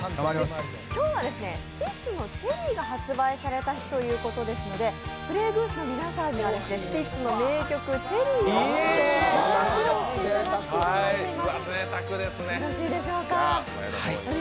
今日はスピッツの「チェリー」が発売された日ということですのでＰｌａｙ．Ｇｏｏｓｅの皆さんにはスピッツの名曲、「チェリー」を披露していただくことになっております。